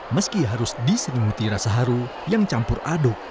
meski harus diselimuti rasa haru yang campur aduk